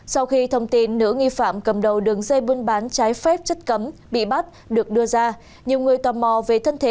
sau khi thông tin nữ nghi phạm cầm đầu đường dây buôn bán trái phép chất cấm bị bắt được đưa ra